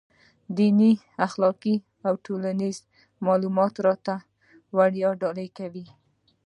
دیني، اخلاقي او ټولنیز معلومات راته وړيا ډالۍ کوي.